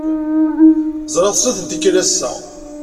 Ẓriɣ-t snat n tikkal ass-a.